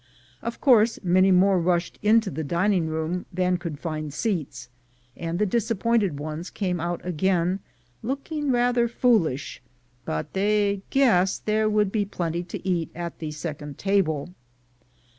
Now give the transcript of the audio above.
Of course many more rushed into the dining room than could find seats, and the disap pointed ones came out again looking rather foolish, but they "guessed there would be plenty to eat at the second table."